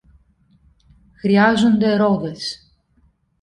Χρειάζονται ρόδες.